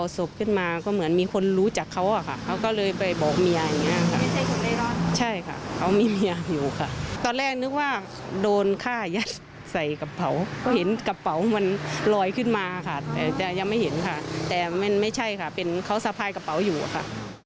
ศพขึ้นมาก็เหมือนมีคนลอยขึ้นมาค่ะแต่ยังไม่เห็นค่ะแต่มันไม่ใช่ค่ะเป็นเขาสะพายกระเป๋าอยู่อะค่ะ